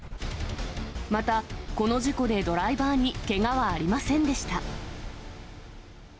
またこの事故でドライバーにけがはありませんでした。